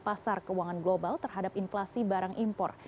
pasar keuangan global terhadap inflasi barang impor